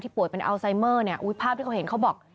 พี่สาวที่ปวดเป็นอัลไซเมอร์เนี่ยภาพที่เขาเห็นเขาบอก